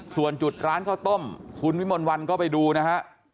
ส่วนจุดร้านข้าวต้มคุณวิมลวันก็ไปดูนะฮะ